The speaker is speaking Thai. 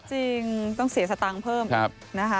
จริงต้องเสียสตางค์เพิ่มนะคะ